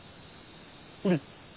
ほれ。